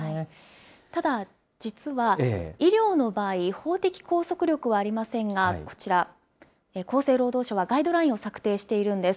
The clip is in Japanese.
ただ、実は医療の場合、法的拘束力はありませんが、こちら、厚生労働省はガイドラインを策定しているんです。